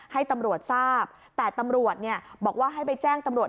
ให้ตำรวจทราบแต่ตำรวจบอกว่าให้ไปแจ้งตำรวจ